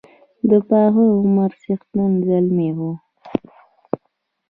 د پاخه عمر څښتن زلمی وو.